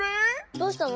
どうしたの？